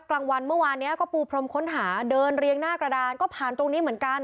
กลางวันเมื่อวานนี้ก็ปูพรมค้นหาเดินเรียงหน้ากระดานก็ผ่านตรงนี้เหมือนกัน